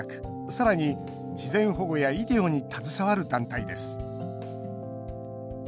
さらに自然保護や医療に携わる団体です。